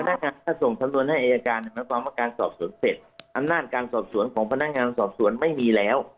ถ้าส่งสำนวนให้อายการหมายความว่าการสอบสวนเสร็จอำนาจการสอบสวนของพนักงานสอบสวนไม่มีแล้ว